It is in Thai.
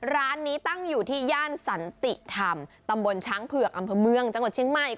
ร้านนี้ตั้งอยู่ที่ย่านสันติธรรมตำบลช้างเผือกอำเภอเมืองจังหวัดเชียงใหม่